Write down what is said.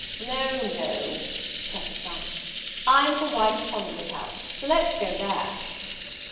"No, no," said the son, "I'm for White Conduit House; so let's go there."